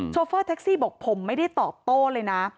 โฟเฟอร์แท็กซี่บอกผมไม่ได้ตอบโต้เลยนะ